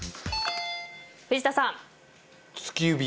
藤田さん。